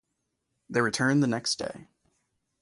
They return the next day.